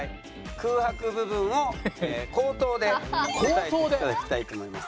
空白部分を口頭で答えて頂きたいと思います。